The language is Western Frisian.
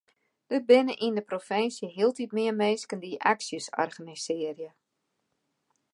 Der binne yn de provinsje hieltyd mear minsken dy't aksjes organisearje.